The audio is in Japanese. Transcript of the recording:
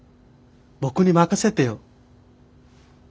僕に任せてよ。